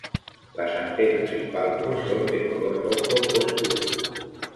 Las antenas y palpos son de color rojo oscuro.